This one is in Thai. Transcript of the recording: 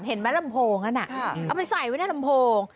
เห็นไหมลำโพงนั่นอ่ะเอามันใส่ไว้ในลำโพง